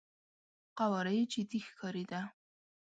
قواره يې جدي ښکارېده.